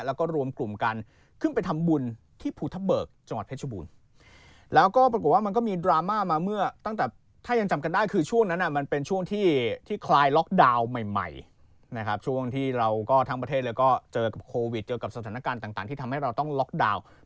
แล้วก็รวมกลุ่มกันขึ้นไปทำบุญที่ภูทะเบิกจังหวัดเพชรบูรณ์แล้วก็ปรากฏว่ามันก็มีดราม่ามาเมื่อตั้งแต่ถ้ายังจำกันได้คือช่วงนั้นมันเป็นช่วงที่คลายล็อกดาวน์ใหม่นะครับช่วงที่เราก็ทั้งประเทศเลยก็เจอกับโควิดเจอกับสถานการณ์ต่างที่ทำให้เราต้องล็อกดาวน์